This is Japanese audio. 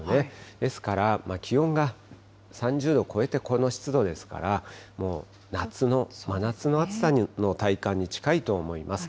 ですから、気温が３０度を超えてこの湿度ですから、もう夏の、真夏の暑さの体感に近いと思います。